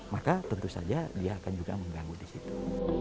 maka tentu saja dia akan juga mengganggu di situ